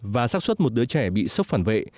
và sắp xuất một đứa trẻ bị sốc phản vệ